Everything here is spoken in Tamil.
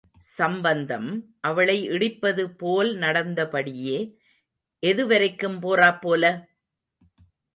சம்பந்தம், அவளை இடிப்பதுபோல் நடந்தபடியே, எதுவரைக்கும் போறாப்போல?